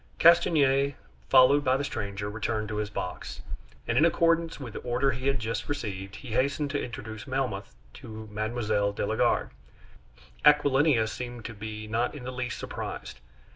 Castanier, followed by the stranger, returned to his box; and in accordance with the order he had just received, he hastened to introduce Melmoth to Mme. de la Garde. Aquilina seemed to be not in the least surprised.